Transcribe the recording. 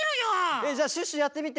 えじゃあシュッシュやってみて。